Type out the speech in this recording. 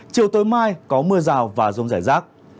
chiều tối mai có mưa rào và rông rải rác